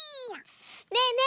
ねえねえ